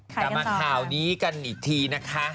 กลับมาข่าวนี้กันอีกทีนะคะ